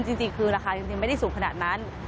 จริงคือราคาจริงไม่ได้สูงขนาดนั้น